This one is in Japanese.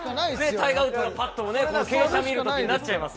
タイガー・ウッズのパットの傾斜見るときになっちゃいます